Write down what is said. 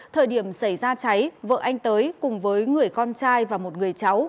thời điểm xảy ra cháy vợ anh tới cùng với người con trai và một người cháu